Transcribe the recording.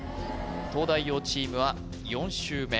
東大王チームは４周目